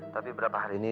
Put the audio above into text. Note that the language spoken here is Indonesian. tapi beberapa hari ini